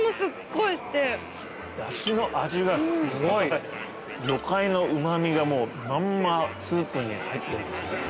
ダシの味がすごい！魚介のうま味がもうまんまスープに入ってますね。